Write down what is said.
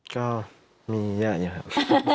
ก็มีอย่างนี้ครับ